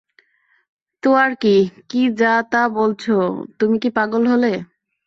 তোয়ার স্ত্রী - কি যা তা বলছো তুমি কি পাগল হলে?